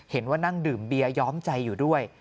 เห็นว่านั่งดื่มเบียย้อมใจอยู่ด้วย